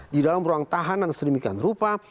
di dalam ruang tahanan sedemikian rupa